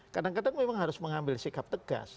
kadang kadang memang harus mengambil sikap tegas